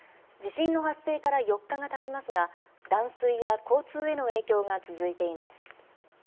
地震の発生から４日がたちますが、断水や交通への影響が続いています。